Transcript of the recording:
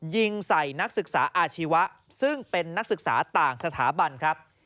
ยิงใส่นักศึกษาอาชีวะซึ่งเป็นนักศึกษาต่างสถาบันครับ